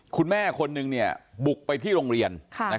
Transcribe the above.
คุณแม่คนนึงบุกไปที่โรงเรียน